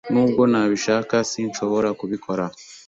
Nubwo nabishaka, sinshobora kubikora.